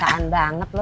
kean banget lu